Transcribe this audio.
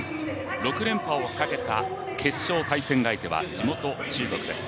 ６連覇をかけた決勝対戦相手は地元・中国です。